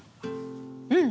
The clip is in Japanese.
うん！